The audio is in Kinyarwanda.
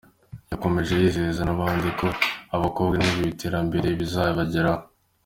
Yakomeje yizeza n’abandi ko ibikorwa nk’ibi by’iterambere bizabageraho.